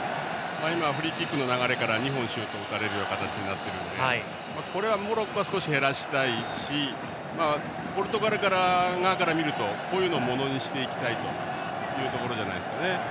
フリーキックの流れから２本、シュートを打たれる形になっているのでこれはモロッコは少し減らしたいしポルトガル側から見るとこういうのをものにしていきたいというところじゃないですかね。